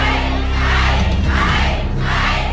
ใช้ใช้ใช้